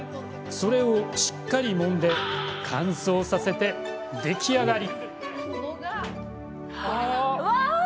それを、しっかりもんで乾燥させて出来上がり。